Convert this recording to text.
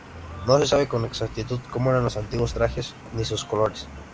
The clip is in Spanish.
No se sabe con exactitud como eran los antiguos trajes, ni sus colores.